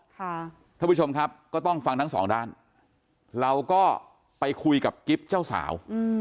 ท่านผู้ชมครับก็ต้องฟังทั้งสองด้านเราก็ไปคุยกับกิฟต์เจ้าสาว